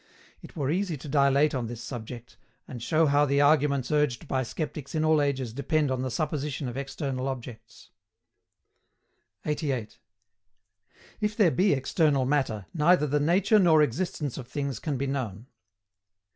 It were easy to dilate on this subject, and show how the arguments urged by sceptics in all ages depend on the supposition of external objects. 88. IF THERE BE EXTERNAL MATTER, NEITHER THE NATURE NOR EXISTENCE OF THINGS CAN BE KNOWN.